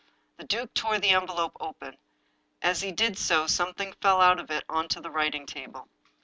The duke tore the envelope open. As he did so some thing fell out of it on to the writing table.